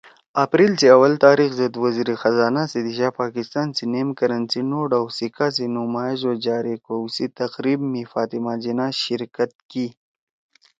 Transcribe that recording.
اپریل سی اول تاریخ زید وزیر خزانہ سی دیِشا پاکستان سی نیم کرنسی نوٹ او سکّا سی نمائش او جاری کؤ سی تقریب می فاطمہ جناح شرکت کی